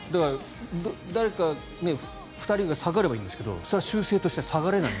誰か２人が下がればいいんですけど習性として下がれない。